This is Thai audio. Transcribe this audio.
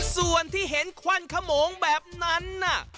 ส่วนที่เห็นควันขโมงแบบนั้นน่ะ